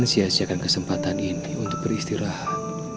saya akan kesempatan ini untuk beristirahat